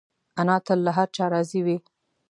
انا تل له هر چا راضي وي